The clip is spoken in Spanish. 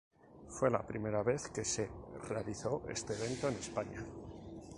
Fue la primera vez que se realizó este evento en España.